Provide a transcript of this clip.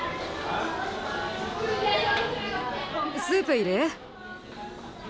スープいる？